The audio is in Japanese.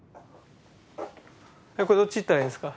これどっち行ったらいいですか？